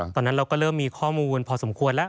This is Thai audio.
ตอนนั้นเราก็เริ่มมีข้อมูลพอสมควรแล้ว